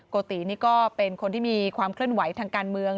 โกตินี่ก็เป็นคนที่มีความเคลื่อนไหวทางการเมือง